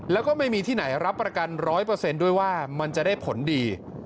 แล้วก็ไม่มีที่ไหนรับประกัน๑๐๐ด้วยว่ามันจะได้ผลดี